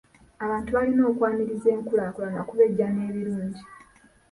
Abantu balina okwaniriza enkulaakulana kuba ejja n'ebirungi.